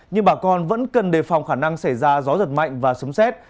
nhưng bà con vẫn cần đề phòng khả năng xảy ra gió giật mạnh và sống xét